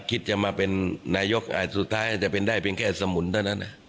คิดจะมาเป็นนายกสุดท้ายอาจจะเป็นได้เพียงแค่สมุนเท่านั้น